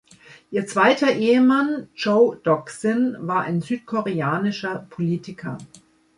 Ihr zweiter Ehemann, Choe Dok-sin, war ein südkoreanischer Politiker.